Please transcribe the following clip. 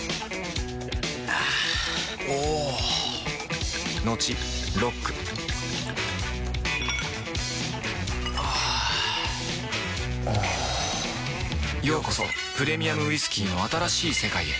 あぁおぉトクトクあぁおぉようこそプレミアムウイスキーの新しい世界へ